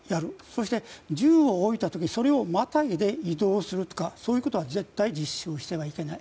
そして、銃を置いた時にそれをまたいで移動するとか、そういうことは絶対してはいけない。